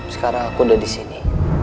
sekarang aku udah di sini